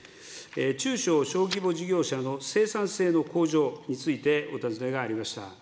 中小・小規模事業者の生産性の向上について、お尋ねがありました。